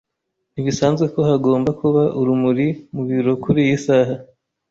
Ntibisanzwe ko hagomba kuba urumuri mu biro kuriyi saha.